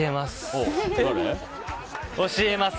教えます。